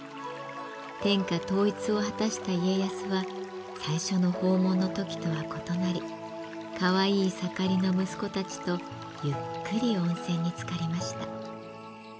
天下統一を果たした家康は最初の訪問の時とは異なりかわいい盛りの息子たちとゆっくり温泉につかりました。